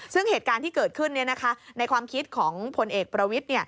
ซึ่งเหตุการณ์ที่เกิดขึ้นในความคิดของผลเอกประวิทธิ